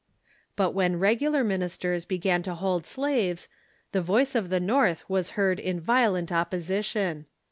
* But when reguhir ministers be gan to hold slaves, the voice of the North was heard in violent opposition.